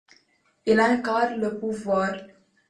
Il incarne le pouvoir.